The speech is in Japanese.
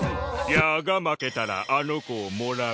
ヤーが負けたらあの子をもらう。